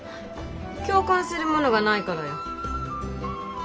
共感するものがないからよ。